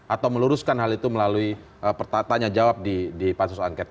atau meluruskan hal itu melalui tanya jawab di pansus angket